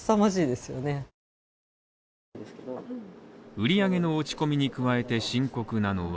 売り上げの落ち込みに加えて深刻なのは